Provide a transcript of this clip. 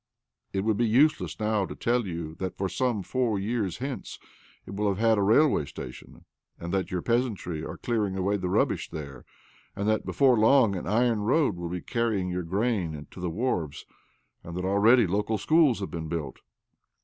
It would be useless now to tell you that, some four years hence, it will have a railway station, and that your peasantry are clearing away the rubbish there, and that before long an OBLOMOV 299 iron road will be carrying your grain to the wharves, and that already local schools have been built.